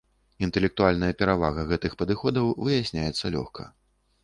Інтэлектуальная перавага гэтых падыходаў выясняецца лёгка.